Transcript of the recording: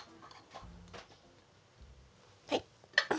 はい。